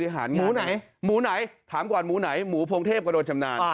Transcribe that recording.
หมูไหนหมูไหนถามก่อนหมูไหนหมูพวงเทพก็โดนชำนาญ